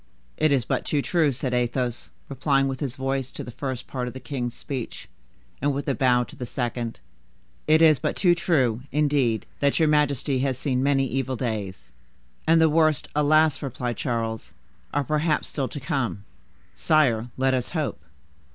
"It is but too true," said Athos, replying with his voice to the first part of the king's speech, and with a bow to the second; "it is but too true, indeed, that your majesty has seen many evil days." "And the worst, alas!" replied Charles, "are perhaps still to come." "Sire, let us hope."